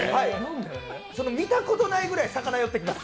見たことないぐらい魚寄ってきます。